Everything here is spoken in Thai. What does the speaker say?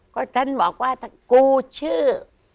ก็ท่านบอกว่าถ้ากูชื่อ